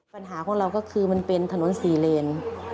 ปัญหาของเราก็คือมันเป็นถนนสี่เลน